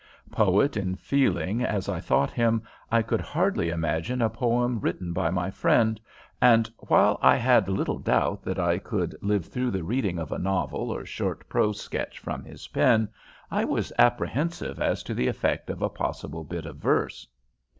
Poet in feeling as I thought him, I could hardly imagine a poem written by my friend, and while I had little doubt that I could live through the reading of a novel or short prose sketch from his pen, I was apprehensive as to the effect of a possible bit of verse.